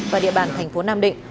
và địa bàn thành phố nam định